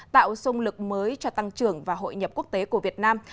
tạo sung lực mới cho tăng trưởng và hội nhập quốc tế của việt nam